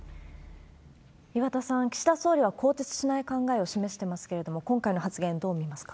岩田さん、岸田総理は更迭しない考えを示してますけれども、今回の発言、どう見ますか？